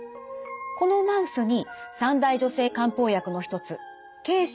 このマウスに三大女性漢方薬の一つ桂枝